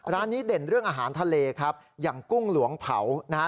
ร้านนี้เด่นเรื่องอาหารทะเลครับอย่างกุ้งหลวงเผานะฮะ